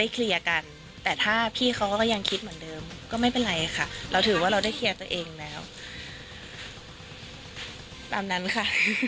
เพราะว่ายังคิดเหมือนเดิมก็ไม่เป็นไรหรอกค่ะเราถือว่าเราได้เคลียร์ตัวเองแล้วตามนั้นค่ะ